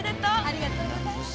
ありがとうございます。